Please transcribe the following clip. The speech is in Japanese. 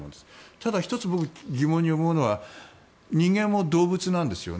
ただ１つ僕が疑問に思うのは人間も動物なんですよね。